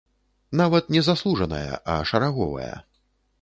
Нават не заслужаная, а шараговая.